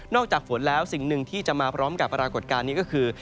จากฝนแล้วสิ่งหนึ่งที่จะมาพร้อมกับปรากฏการณ์นี้ก็คือ